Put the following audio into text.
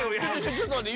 ちょっとまって。